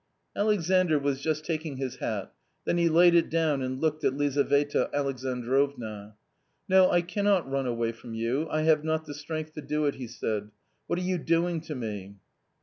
Alexandr was just taking his hat, then he laid it down and looked at Lizaveta Alexandrovna. " No, I cannot run away from you ; I have not the strength to do it," he said ;" what are you doing to me